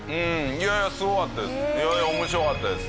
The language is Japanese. いやいやすごかったです。